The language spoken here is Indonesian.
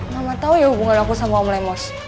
mama tahu ya hubungan aku sama om lemos